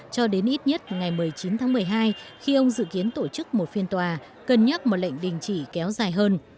cho đến ít nhất ngày một mươi chín tháng một mươi hai khi ông dự kiến tổ chức một phiên tòa cân nhắc một lệnh đình chỉ kéo dài hơn